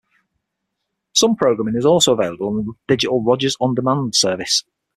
Some programming is also available on the digital "Rogers On Demand" service.